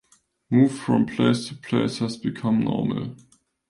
Moving from place to place has become normal.